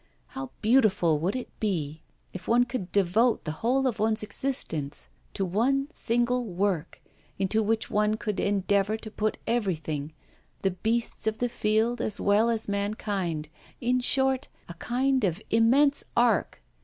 How beautiful would it be if one could devote the whole of one's existence to one single work, into which one would endeavour to put everything, the beasts of the field as well as mankind; in short, a kind of immense ark.